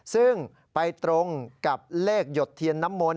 ซึ่งไปตรงกับเลขหยดเทียนน้ำมนต